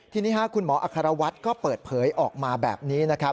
ทีนี้คุณหมออัครวัฒน์ก็เปิดเผยออกมาแบบนี้นะครับ